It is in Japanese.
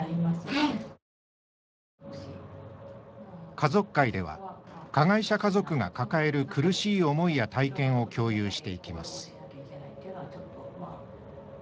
家族会では加害者家族が抱える苦しい思いや体験を共有していきます。